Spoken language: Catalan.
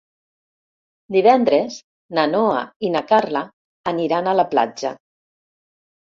Divendres na Noa i na Carla aniran a la platja.